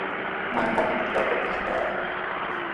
Mankapita yakuta hitray.